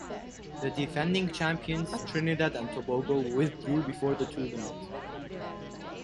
The defending champions Trinidad and Tobago withdrew before the tournament.